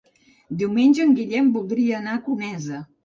Diumenge en Guillem voldria anar a Conesa.